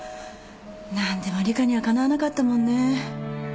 何でも里香にはかなわなかったもんね